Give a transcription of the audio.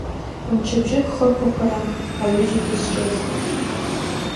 Мчыбжьык хырқәақәаран аҩыџьагьы зҿыз.